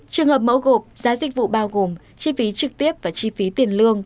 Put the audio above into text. trường hợp mẫu gộp giá dịch vụ bao gồm chi phí trực tiếp và chi phí tiền lương